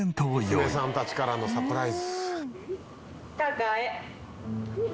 娘さんたちからのサプライズ。